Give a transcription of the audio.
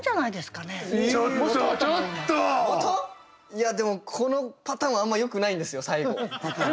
いやでもこのパターンはあんまよくないんですよ最後。